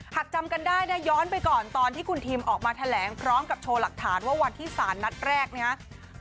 จำกันได้นะย้อนไปก่อนตอนที่คุณทีมออกมาแถลงพร้อมกับโชว์หลักฐานว่าวันที่สารนัดแรกนะครับ